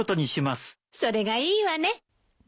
それがいいわね。